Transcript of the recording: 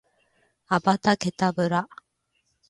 アバタケタブラ